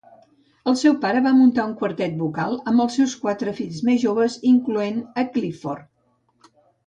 El seu pare va muntar un quartet vocal amb els seus quatre fills més joves, incloent a Clifford.